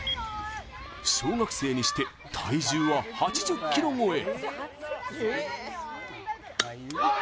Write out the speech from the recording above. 小学生にして、体重は８０ｋｇ超え。